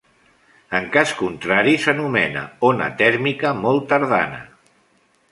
En cas contrari, s'anomena "ona tèrmica molt tardana".